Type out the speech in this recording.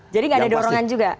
jadi gak ada dorongan juga